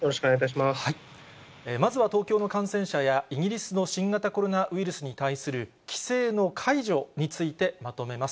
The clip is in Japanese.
まずは東京の感染者や、イギリスの新型コロナウイルスに対する規制の解除についてまとめます。